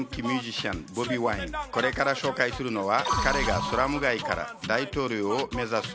これから紹介するのは。